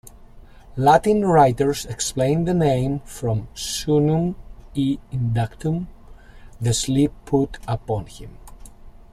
Latin writers explained the name from "somnum ei inductum", the "sleep put upon him.